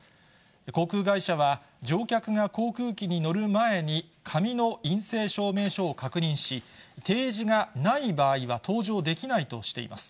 航空会社は、乗客が航空機に乗る前に、紙の陰性証明書を確認し、提示がない場合は搭乗できないとしています。